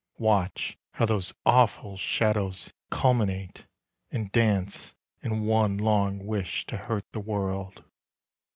Watch how those awful shadows culminate And dance in one long wish to hurt the wodd.